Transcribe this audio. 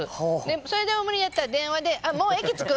それでも無理やったら電話でもう駅着く？